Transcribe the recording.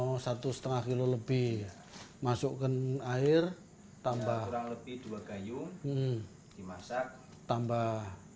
oh satu setengah kilo lebih masukkan air tambah